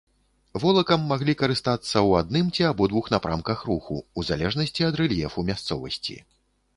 Волакам маглі карыстацца ў адным ці абодвух напрамках руху, у залежнасці ад рэльефу мясцовасці.